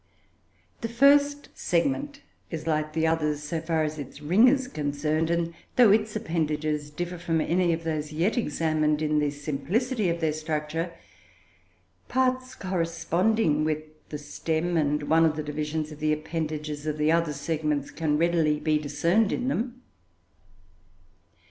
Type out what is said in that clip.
The first segment is like the others, so far as its ring is concerned, and though its appendages differ from any of those yet examined in the simplicity of their structure, parts corresponding with the stem and one of the divisions of the appendages of the other segments can be readily discerned in them.